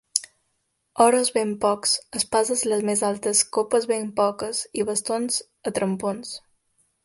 Oros ben pocs, espases les més altes, copes ben poques i bastons a trompons.